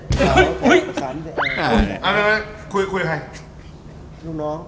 เหลือเบิกปะครั้ง